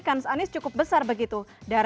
kans anies cukup besar begitu